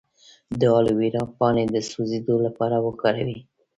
د الوویرا پاڼې د سوځیدو لپاره وکاروئ